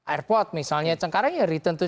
airport misalnya cengkareng ya return to